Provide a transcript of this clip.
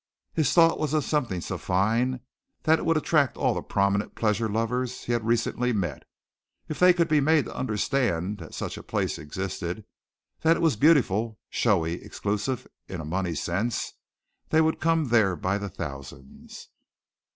His thought was of something so fine that it would attract all the prominent pleasure lovers he had recently met. If they could be made to understand that such a place existed; that it was beautiful, showy, exclusive in a money sense, they would come there by the thousands.